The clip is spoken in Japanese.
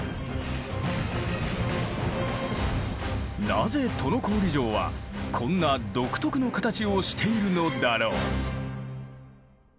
なぜ都於郡城はこんな独特の形をしているのだろう？